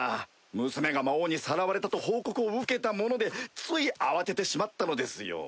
娘が魔王にさらわれたと報告を受けたものでつい慌ててしまったのですよ。